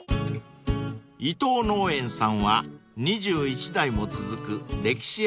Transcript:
［伊藤農園さんは２１代も続く歴史ある農家さん］